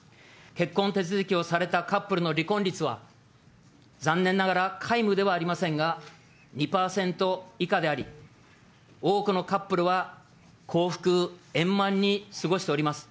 結婚手続きをされたカップルの離婚率は、残念ながら皆無ではありませんが、２％以下であり、多くのカップルは、幸福円満に過ごしております。